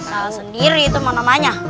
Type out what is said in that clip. salah sendiri itu mau namanya